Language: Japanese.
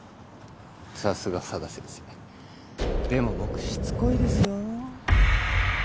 さすが佐田先生でも僕しつこいですよ